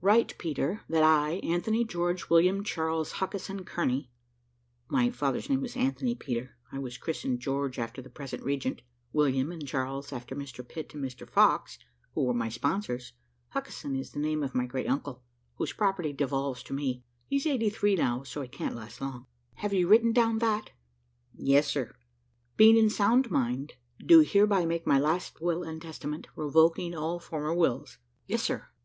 "Write, Peter, that I, Anthony George William Charles Huskisson Kearney, (my father's name was Anthony, Peter; I was christened George after the present Regent, William and Charles after Mr Pitt and Mr Fox, who were my sponsors; Huskisson is the name of my great uncle, whose property devolves to me; he's eighty three now, so he can't last long,) have you written down that?" "Yes, sir." "Being in sound mind, do hereby make my last will and testament, revoking all former wills." "Yes, sir."